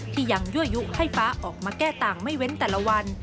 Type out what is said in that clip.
ยังยั่วยุให้ฟ้าออกมาแก้ต่างไม่เว้นแต่ละวัน